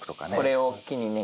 これを機にね